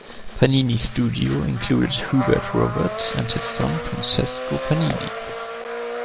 Panini's studio included Hubert Robert and his son Francesco Panini.